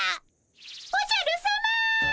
おじゃるさま。